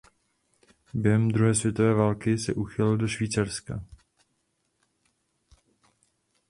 Během druhé světové války se uchýlil do Švýcarska.